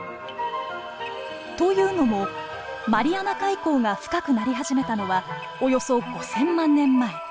というのもマリアナ海溝が深くなり始めたのはおよそ５，０００万年前。